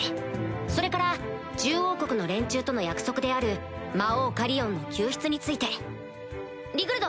それから獣王国の連中との約束である魔王カリオンの救出についてリグルド。